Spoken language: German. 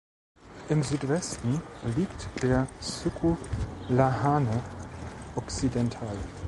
Im Südwesten liegt der Suco Lahane Ocidental.